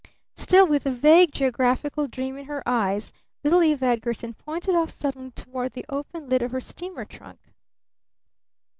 Still with the vague geographical dream in her eyes, little Eve Edgarton pointed off suddenly toward the open lid of her steamer trunk.